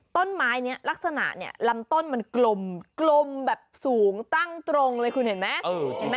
ต้นไม้นี้ลักษณะเนี่ยลำต้นมันกลมแบบสูงตั้งตรงเลยคุณเห็นไหม